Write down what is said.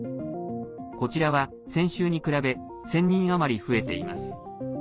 こちらは、先週に比べ１０００人余り増えています。